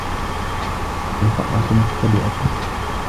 الْفَأْرَةُ مُخْتَبِئَةٌ.